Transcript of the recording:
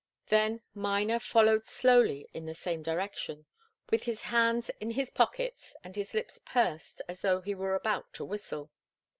Then Miner followed slowly in the same direction, with his hands in his pockets and his lips pursed as though he were about to whistle.